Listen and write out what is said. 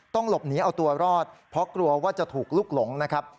หลบหนีเอาตัวรอดเพราะกลัวว่าจะถูกลุกหลงนะครับ